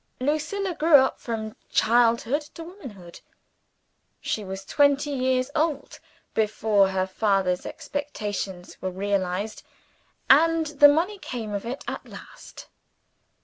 Lucilla grew up from childhood to womanhood. She was twenty years old, before her father's expectations were realized, and the money came of it at last.